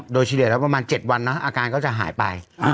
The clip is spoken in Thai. โดยเฉลี่ยแล้วประมาณ๗วันนะอาการก็จะหายไป